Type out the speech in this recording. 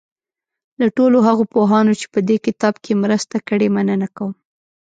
له ټولو هغو پوهانو چې په دې کتاب کې مرسته کړې مننه کوم.